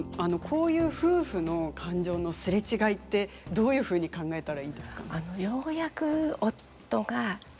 こういう夫婦の感情の擦れ違いってどういうふうに考えたらいいですか。